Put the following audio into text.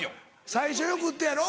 最初良くってやろ？